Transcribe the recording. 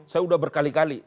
saya sudah berkali kali